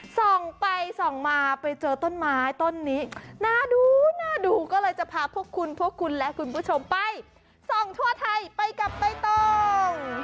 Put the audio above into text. ส่องไปส่องมาไปเจอต้นไม้ต้นนี้น่าดูน่าดูก็เลยจะพาพวกคุณพวกคุณและคุณผู้ชมไปส่องทั่วไทยไปกับใบตอง